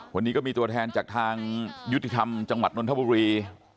วันนี้ก็มีตัวแทนจากทางยุติธรรมจังหวัดนนทบุรี